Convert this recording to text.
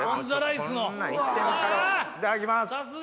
いただきます。